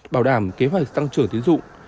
bảo đảm kế hoạch tăng trưởng tiến dụng